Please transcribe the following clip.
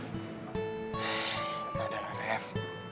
nah nah nah ref